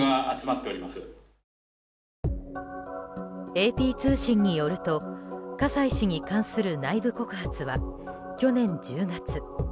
ＡＰ通信によると葛西氏に関する内部告発は去年１０月。